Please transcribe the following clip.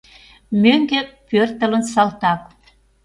МӦҤГӦ ПӦРТЫЛЫН САЛТАК